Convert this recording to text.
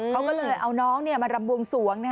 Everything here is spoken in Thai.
เขาก็เลยเอาน้องมารำบวงสวง